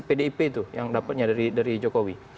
pdip itu yang dapatnya dari jokowi